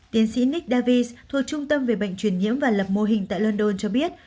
tiến sĩ nick davis thuộc trung tâm về bệnh truyền nhiễm và lập mô hình tại london cho biết